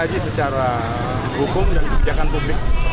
kaji secara hukum dan kebijakan publik